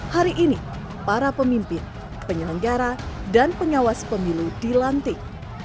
hari ini para pemimpin penyelenggara dan pengawas pemilu dilantik